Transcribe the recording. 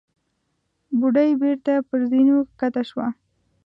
بوډۍ بېرته پر زينو کښته شوه.